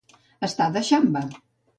Estar de xamba.